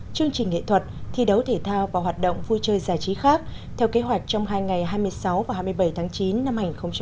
chương trình nghệ thuật thi đấu thể thao và hoạt động vui chơi giải trí khác theo kế hoạch trong hai ngày hai mươi sáu và hai mươi bảy tháng chín năm hai nghìn hai mươi